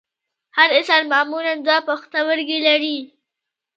هر انسان معمولاً دوه پښتورګي لري